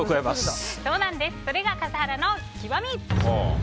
それが笠原の極み。